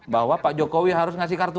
bahwa pak jokowi harus ngasih kartu